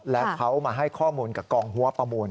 และเขามาให้ข้อมูลกับกองหัวประมูล